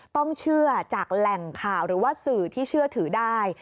ต้องเชื่อจากแหล่งข่าวหรือว่าสื่อที่เชื่อถือได้